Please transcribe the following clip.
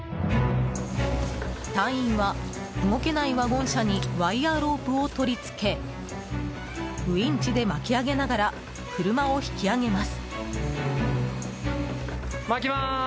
隊員は、動けないワゴン車にワイヤロープを取り付けウィンチで巻き上げながら車を引き上げます。